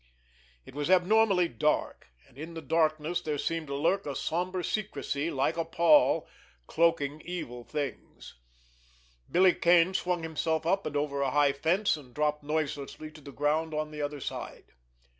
It was abnormally dark, and in the darkness there seemed to lurk a somber secrecy, like a pall, cloaking evil things. Billy Kane swung himself up and over a high fence, and dropped noiselessly to the ground on the other side.